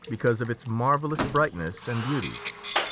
^ because of its marvellous brightness and beauty.